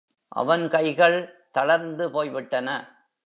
அவள் கைகள் தளர்ந்து போய்விட்டன.